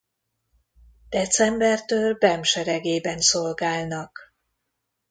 Decembertől Bem seregében szolgálnak.